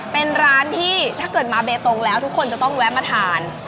เป็นร้านที่ถ้าเกิดมาเบตงแล้วทุกคนจะต้องแวะมาทาน